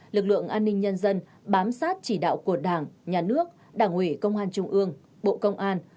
lực lượng an ninh nhân dân bám sát chỉ đạo của đảng nhà nước đảng ủy công an trung ương bộ công an